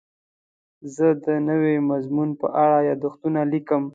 زه د نوي مضمون په اړه یادښتونه لیکم.